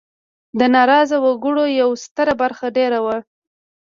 د ناراضه وګړو یوه ستره برخه دېره وه.